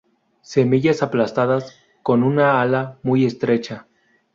Semillas aplastadas, con un ala muy estrecha.